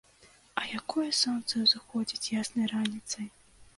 А якое сонца ўзыходзіць яснай раніцай!